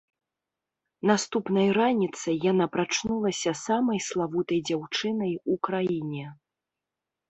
Наступнай раніцай яна прачнулася самай славутай дзяўчынай у краіне.